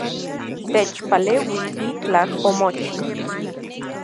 Techpaleui, itlaj omochi